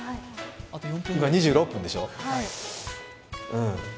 今２６分でしょ。